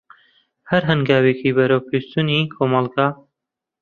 هەر هەنگاوێکی بەروەپێشی چوونی کۆمەلگا.